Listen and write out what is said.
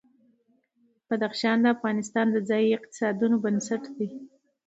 بدخشان د افغانستان د ځایي اقتصادونو بنسټ دی.